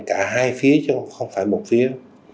cả hai phía chứ không phải một phía